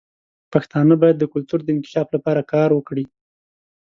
پښتانه باید د کلتور د انکشاف لپاره کار وکړي.